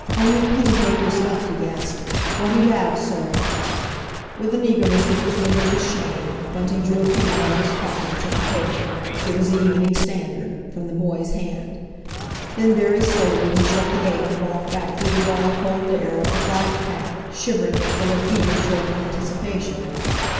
"Only penny papers left," he gasped. "What'll yer 'ave, sir?" With an eagerness which was mingled with shame, Bunting drew a penny out of his pocket and took a paper—it was the Evening Standard—from the boy's hand. Then, very slowly, he shut the gate and walked back through the raw, cold air, up the flagged path, shivering yet full of eager, joyful anticipation.